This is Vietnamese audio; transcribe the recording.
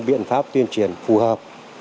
biện pháp tuyên truyền phù hợp